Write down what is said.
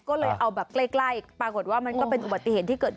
ก็เลยเอาแบบใกล้ปรากฏว่ามันก็เป็นอุบัติเหตุที่เกิดขึ้น